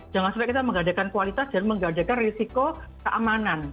jangan sampai kita menggadekan kualitas dan menggadekan risiko keamanan